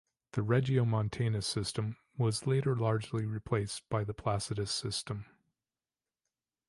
The Regiomontanus system was later largely replaced by the Placidus system.